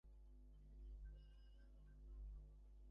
জয়সিংহ সচকিত হইয়া উঠিলেন।